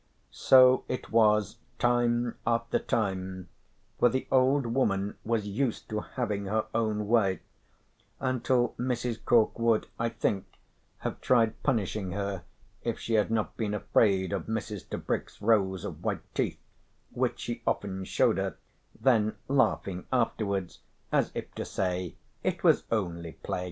So it was time after time (for the old woman was used to having her own way) until Mrs. Cork would, I think, have tried punishing her if she had not been afraid of Mrs. Tebrick's rows of white teeth, which she often showed her, then laughing afterwards, as if to say it was only play.